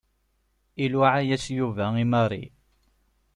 Iluɛa-yas Yuba i Mary.